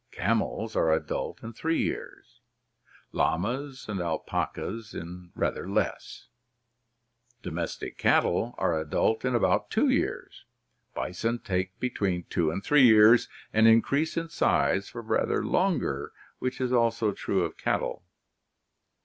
Camels are adult in three years, llamas and alpacas in rather less. Domestic cattle are adult in about two years. Bison take between two and three years, and increase in size for rather longer [which is also true of cattle].